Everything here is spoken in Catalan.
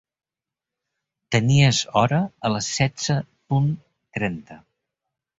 Tenies hora a les setze punt trenta.